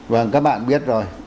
vâng các bạn biết rồi